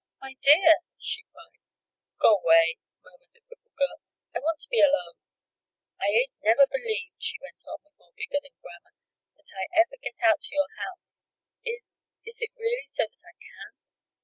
"My dear!" she cried. "Go away!" murmured the crippled girl. "I want to be alone. I ain't never believed," she went on, with more vigor than grammar, "that I'd ever get out to your house. Is is it really so that I can?"